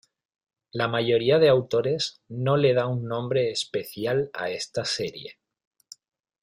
La mayoría de autores no le da un nombre especial a esta serie.